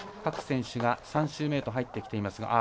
各選手が３周目へと入ってきています。